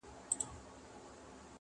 دکرم سیوری چي دي وسو پر ما,